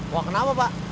wah kenapa pak